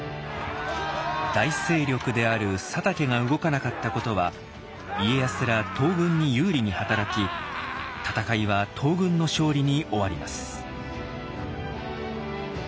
大勢力である佐竹が動かなかったことは家康ら東軍に有利に働き戦いは東軍の勝利に終わります。